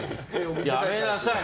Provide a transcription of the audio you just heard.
やめなさい！